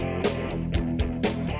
nah ini juga